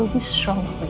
mama akan kuat